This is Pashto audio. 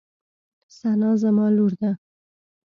ثنا زما لور ده.